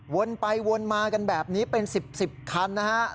วนไปวนมากันแบบนี้เป็น๑๐๑๐คันนะครับ